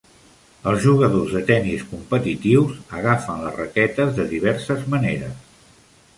Els jugadors de tenis competitius agafen les raquetes de diverses maneres.